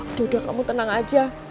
udah udah kamu tenang aja